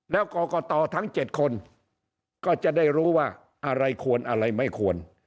แล้วกรกตทั้ง๗คนก็จะได้รู้ว่าอะไรควรอะไรไม่ควร